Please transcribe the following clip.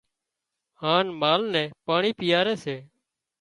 هانَ مال نين پاڻي پيئاري سي